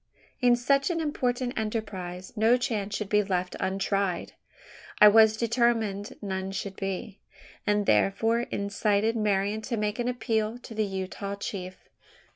In such an important enterprise, no chance should be left untried. I was determined none should be; and therefore incited Marian to make an appeal to the Utah chief.